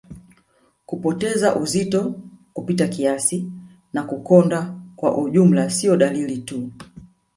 Kupoteza uzito kupita kiasi na kukonda kwa ujumla sio dalili tu